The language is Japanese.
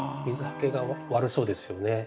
水はけが悪そうですよね。